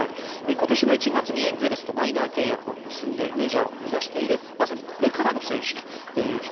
今年の１月にエンゼルスとマイナー契約を結んでメジャーを目指しているまさにこれからの選手という人。